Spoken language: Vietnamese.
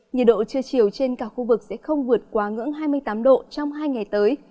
nhiệt độ trưa chiều trên cả khu vực sẽ không vượt quá ngưỡng hai mươi tám độ trong hai ngày tới